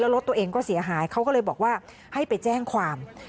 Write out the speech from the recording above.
รถตัวเองก็เสียหายเขาก็เลยบอกว่าให้ไปแจ้งความ